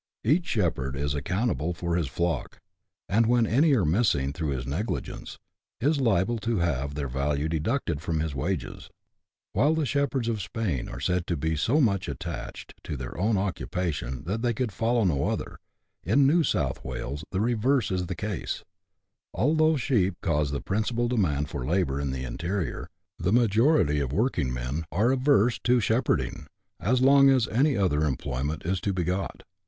Each shepherd is account able for his flock ; and when any are missing through his negli gence, is liable to have their value deducted from his wages. While the shepherds of Spain are said to be so much attached to their own occupation that they could follow no other, in New South Wales the reverse is the case : although sheep cause the principal demand for labour in the interior, the majority of work ing men are averse to shepherding, as long as any other employ ment is to be got.